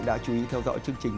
đã chú ý theo dõi chương trình